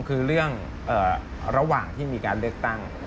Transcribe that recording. คือเรื่องระหว่างที่มีการเลือกตั้ง